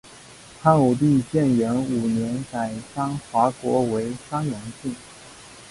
汉武帝建元五年改山划国为山阳郡。